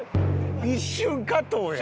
一瞬加藤やん。